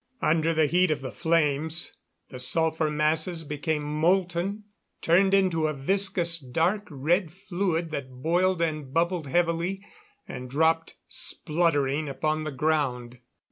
Under the heat of the flames the sulphur masses became molten, turned into a viscous dark red fluid that boiled and bubbled heavily and dropped spluttering upon the ground.